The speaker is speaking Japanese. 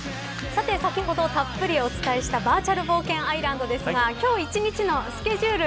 さて先ほどたっぷりお伝えしたバーチャル冒険アイランドですが今日一日のスケジュール